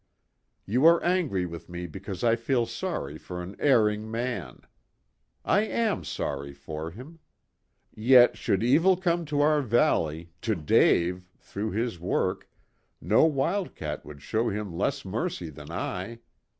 "You are angry with me because I feel sorry for an erring man. I am sorry for him. Yet should evil come to our valley to Dave through his work, no wildcat would show him less mercy than I.